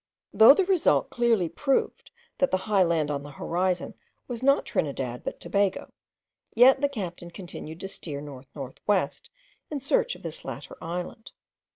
Though the result clearly proved that the high land on the horizon was not Trinidad, but Tobago, yet the captain continued to steer north north west, in search of this latter island.